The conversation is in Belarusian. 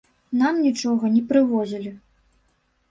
Нам нічога не прывозілі.